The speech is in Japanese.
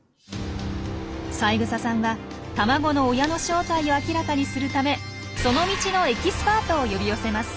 三枝さんは卵の親の正体を明らかにするためその道のエキスパートを呼び寄せます。